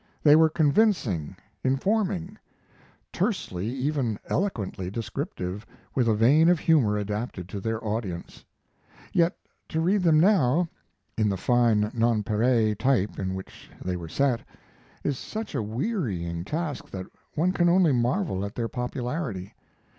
They were convincing, informing; tersely even eloquently descriptive, with a vein of humor adapted to their audience. Yet to read them now, in the fine nonpareil type in which they were set, is such a wearying task that one can only marvel at their popularity.